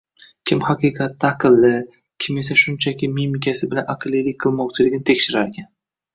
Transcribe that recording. kim haqiqatda aqlli, kim esa shunchaki mimikasi bilan aqllilik qilmoqchiligini tekshirarkan.